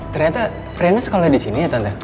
ternyata riana sekolah di sini ya tante